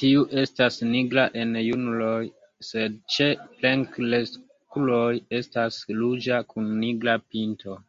Tiu estas nigra en junuloj, sed ĉe plenkreskuloj estas ruĝa kun nigra pinto.